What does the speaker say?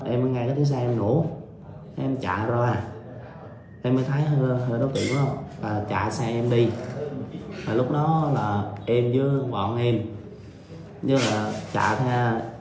em ngay cái xe em nổ em chạy ra em mới thấy hơi đau tỉnh quá chạy xe em đi lúc đó là em với bọn em chạy ra